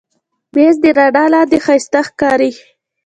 مېز د رڼا لاندې ښایسته ښکاري.